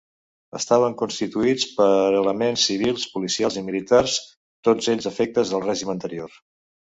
Estaven constituïts per elements civils, policies i militars, tots ells afectes al règim anterior.